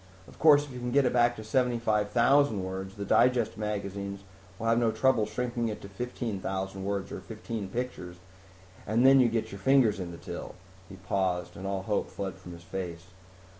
Of course if you can get it back to 75,000 words the digest magazines will have no trouble shrinking it to 15,000 words or fifteen pictures, and you then get your fingers in the till." He paused and all hope fled from his face.